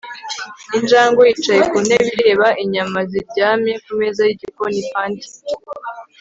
Injangwe yicaye ku ntebe ireba inyama ziryamye ku meza yigikoni fanty